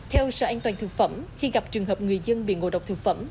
theo sở an toàn thực phẩm khi gặp trường hợp người dân bị ngộ độc thực phẩm